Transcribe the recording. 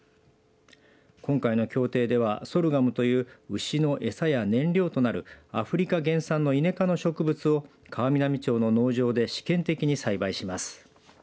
今回の協定ではソルガムという牛の餌や燃料となるアフリカ原産のイネ科の植物を川南町の農場で試験的に栽培します。